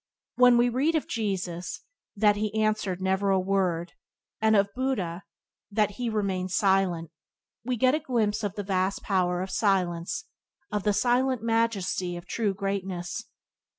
When we read of Jesus that "He answered never a word" and of Buddha that "He remained silent," we get a glimpse of the vast power of silence, of the silent majesty of true greatness.